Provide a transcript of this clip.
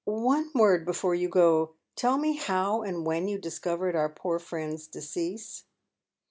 " One word before you go. Tell me how and when you dis covered our poor friend's decease."